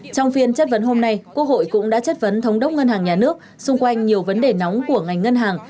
trong phiên chất vấn hôm nay quốc hội cũng đã chất vấn thống đốc ngân hàng nhà nước xung quanh nhiều vấn đề nóng của ngành ngân hàng